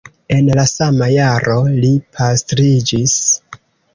En la sama jaro li pastriĝis.